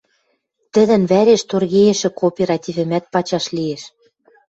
Тӹдӹн вӓреш торгейӹшӹ кооперативӹмӓт пачаш лиэш.